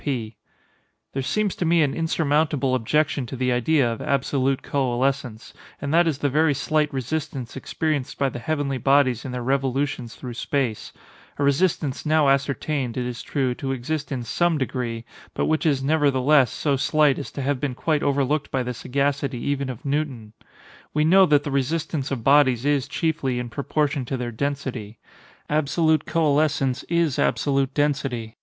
P. There seems to me an insurmountable objection to the idea of absolute coalescence;—and that is the very slight resistance experienced by the heavenly bodies in their revolutions through space—a resistance now ascertained, it is true, to exist in some degree, but which is, nevertheless, so slight as to have been quite overlooked by the sagacity even of Newton. We know that the resistance of bodies is, chiefly, in proportion to their density. Absolute coalescence is absolute density.